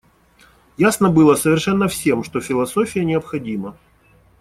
Ясно было совершенно всем, что философия необходима.